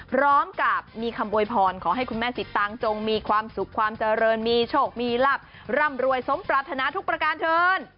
พร้อมกับมีคำโวยพรขอให้คุณแม่สิตางจงมีความสุขความเจริญมีโชคมีลับร่ำรวยสมปรารถนาทุกประการเทิน